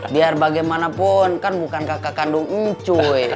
biar bagaimanapun kan bukan kakak kandung encu